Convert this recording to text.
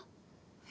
え？